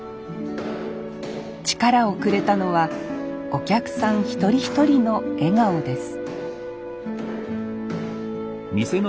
力をくれたのはお客さん一人一人の笑顔です